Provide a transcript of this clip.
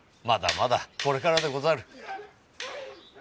まだまだこれからでござる。